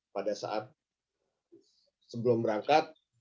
pada saat sebelum berangkat